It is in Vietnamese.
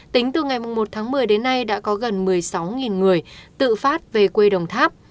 tính từ ngày một tháng một mươi đến nay đã có gần một mươi sáu người tự phát về quê đồng tháp